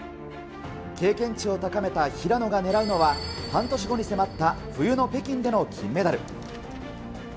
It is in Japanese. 経験値を高めた平野が狙うのは半年後に迫った冬の北京での金メダル。